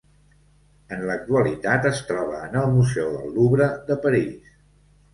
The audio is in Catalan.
En l'actualitat es troba en el Museu del Louvre de París.